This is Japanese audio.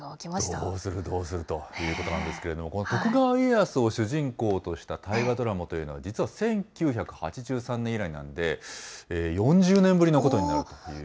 どうする、どうするということなんですけれども、この徳川家康を主人公とした大河ドラマというのは、実は１９８３年以来なんで、４０年ぶりのことになるということで。